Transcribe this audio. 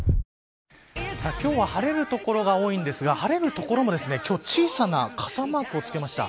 今日は晴れる所が多いんですが晴れる所も、今日は小さな傘マークをつけました。